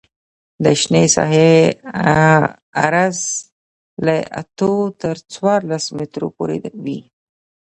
د شنې ساحې عرض له اتو تر څوارلس مترو پورې وي